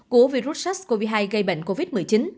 của virus sars cov hai gây bệnh covid một mươi chín